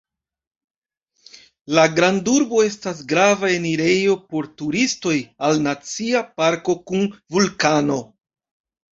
La grandurbo estas grava enirejo por turistoj al Nacia parko kun vulkano.